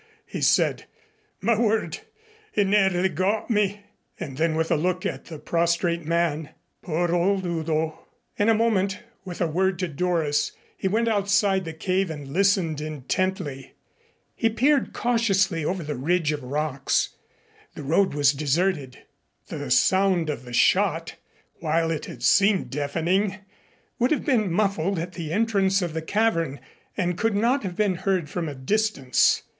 he said. "My word! He nearly got me." And then with a look at the prostrate man, "Poor old Udo!" In a moment, with a word to Doris, he went outside the cave and listened intently. He peered cautiously over the ridge of rocks. The road was deserted. The sound of the shot, while it had seemed deafening, would have been muffled at the entrance of the cavern and could not have been heard from a distance.